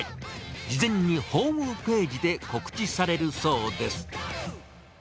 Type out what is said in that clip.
事前にホームページで告知されるそうです。